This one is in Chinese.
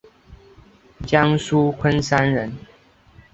江苏昆山人。